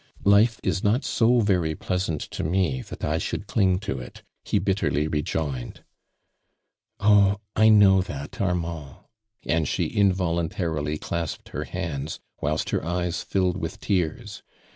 " Life is not so very pleasant to me that 1 thould cling to it," he bitterly rejoined. "Oh, I know iW, Armand," and she involuntarily clasped her liands, whilst her eyes filled with tears.